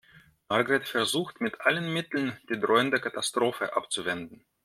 Margret versucht mit allen Mitteln, die drohende Katastrophe abzuwenden.